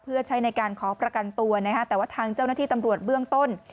เพื่อใช้ในการขอประกันตัวนะฮะแต่ว่าทางเจ้าหน้าที่ตำรวจเบื้องต้น